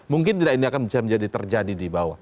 mungkin tidak ini akan bisa menjadi terjadi di bawah